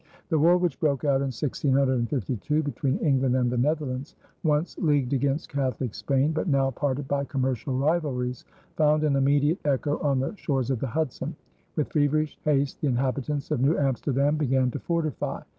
The war which broke out in 1652 between England and the Netherlands, once leagued against Catholic Spain but now parted by commercial rivalries, found an immediate echo on the shores of the Hudson. With feverish haste the inhabitants of New Amsterdam began to fortify.